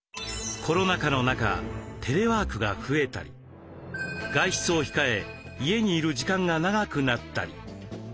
コロナ禍の中テレワークが増えたり外出を控え家にいる時間が長くなったり。